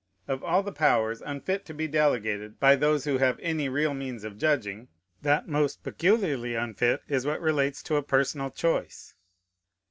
Of all the powers unfit to be delegated by those who have any real means of judging, that most peculiarly unfit is what relates to a personal choice.